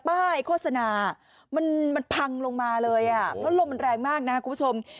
ใบข้อสนามันมันพังลงมาเลยอ่ะด้วยลมแรงมากนะฮะคุณผู้ชม